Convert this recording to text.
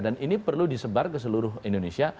dan ini perlu disebar ke seluruh indonesia